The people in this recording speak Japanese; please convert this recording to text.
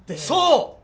そう！